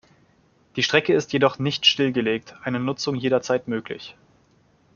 Die Strecke ist jedoch nicht stillgelegt, eine Nutzung jederzeit möglich.